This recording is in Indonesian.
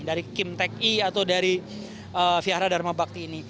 dari kim taek i atau dari viara dharma bakti ini